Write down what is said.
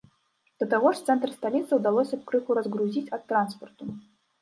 Да таго ж цэнтр сталіцы ўдалося б крыху разгрузіць ад транспарту.